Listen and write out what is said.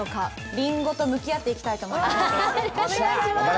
りんごと向き合っていきたいと思います。